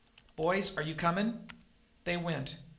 Boys, are you comin'?" They went.